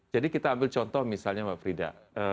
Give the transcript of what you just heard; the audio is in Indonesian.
jadi kita ambil contoh misalnya pak